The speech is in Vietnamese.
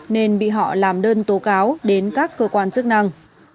nên bị họ làm đơn tố cáo đến các cơ quan chức năng